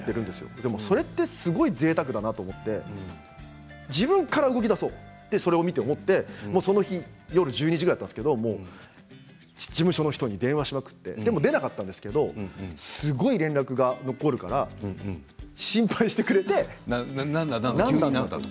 でも、それってすごいぜいたくだなと思って自分から動きだそうってそのテレビを見て思ってその日、夜１２時ぐらいなんですけど事務所の人に電話しまくって出なかったんですけどすごい連絡が残るから急に何だと。